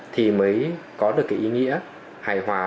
thì mới có được ý nghĩa hài hòa